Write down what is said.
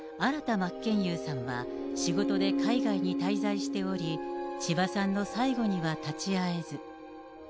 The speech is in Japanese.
真剣佑さんは、仕事で海外に滞在しており、千葉さんの最期には立ち会えず。